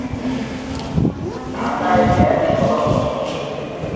ঢাকায় এর সদর দপ্তর।